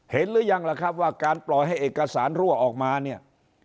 หรือยังล่ะครับว่าการปล่อยให้เอกสารรั่วออกมาเนี่ย